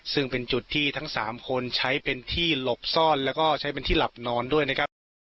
ซึ่งเป็นจุดที่ทั้ง๓คนใช้เป็นที่หลบซ่อนแล้วก็ใช้เป็นที่หลับนอนด้วยนะครับ